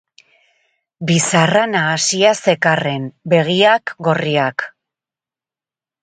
Bizarra nahasia zekarren, begiak gorriak.